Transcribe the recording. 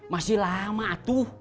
masih lama tuh